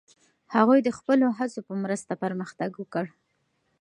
هغوی د خپلو هڅو په مرسته پرمختګ وکړ.